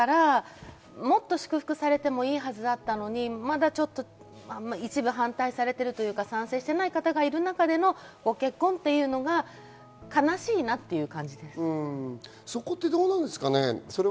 本来だったらもっと祝福されてもいいはずだったのに、まだちょっと一部反対されている、賛成されていない方もいる中で、ご結婚は悲しいなという感じです。